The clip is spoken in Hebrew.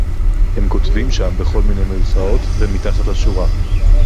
הם כותבים שם בכל מיני מירכאות ומתחת לשורה